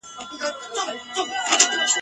آزمېیل یې په زندان کي هره څوکه !.